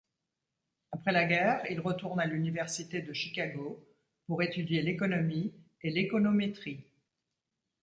Après la guerre il retourne à l'université de Chicago pour étudier l'économie et l'économétrie.